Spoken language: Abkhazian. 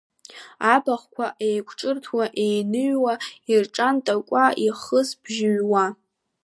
Абахәқәа еиқәҿырҭуашәа еиныҩҩуа ирҿан Такәа ихыс быжь ыҩуа.